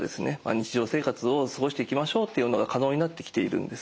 日常生活を過ごしていきましょうというのが可能になってきているんです。